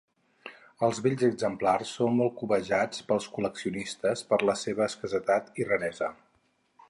Els bells exemplars són molt cobejats pels col·leccionistes per la seva escassetat i raresa.